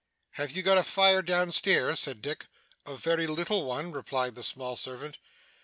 'Have you got a fire down stairs?' said Dick. 'A very little one,' replied the small servant.